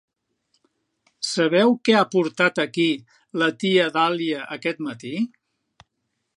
Sabeu què ha portat aquí la tia Dahlia aquest matí?